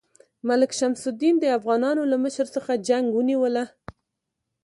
ملک شمس الدین د افغانانو له مشر څخه جنګ ونیوله.